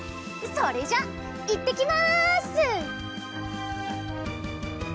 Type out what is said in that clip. それじゃいってきます！